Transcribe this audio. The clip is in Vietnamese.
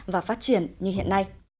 và phát triển như hiện nay